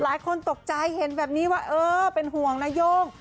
หลายคนตกใจเห็นแบบนี้ว่าเออเป็นห่วงนะโย่ง